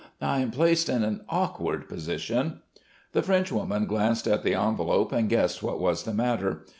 I am placed in an awkward position...." The Frenchwoman glanced at the envelope and guessed what was the matter.